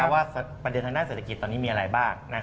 ว่าประเด็นทางด้านเศรษฐกิจตอนนี้มีอะไรบ้าง